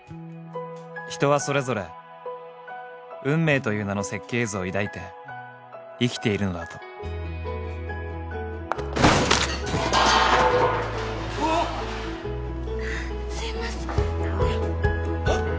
［人はそれぞれ運命という名の設計図を抱いて生きているのだと］ああ！